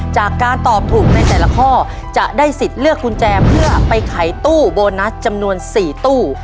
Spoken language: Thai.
จากการตอบถูกในแต่ละข้อจะได้สิทธิ์เลือกกุญแจเพื่อไปขายตู้โบนัสจำนวน๔ตู้